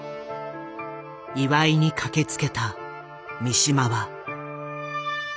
祝いに駆けつけた三島は。